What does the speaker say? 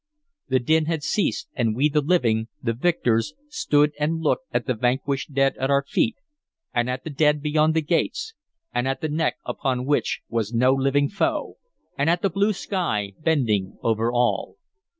The din had ceased, and we the living, the victors, stood and looked at the vanquished dead at our feet, and at the dead beyond the gates, and at the neck upon which was no living foe, and at the blue sky bending over all.